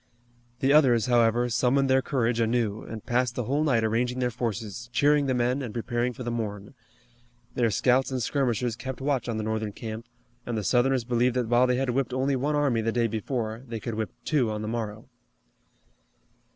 The others, however, summoned their courage anew, and passed the whole night arranging their forces, cheering the men, and preparing for the morn. Their scouts and skirmishers kept watch on the Northern camp, and the Southerners believed that while they had whipped only one army the day before, they could whip two on the morrow.